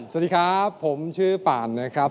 สวัสดีครับผมชื่อป่านนะครับ